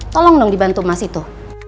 tolong dong dibantu mas itu